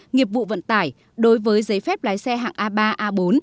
nghiệp vụ vận tải đối với giấy phép lái xe hạng a ba a bốn